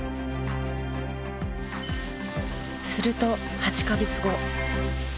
すると８カ月後。